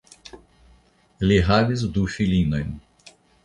Li havis du filinojn.